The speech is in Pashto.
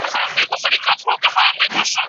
کلیواله